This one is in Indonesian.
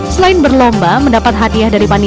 selain berlomba mendapat hadiah dari panitia